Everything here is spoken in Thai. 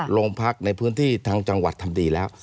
โรงพักในพื้นที่ทางจังหวัดทำดีแล้ว